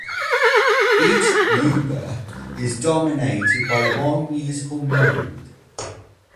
Each "nuba" is dominated by one musical mode.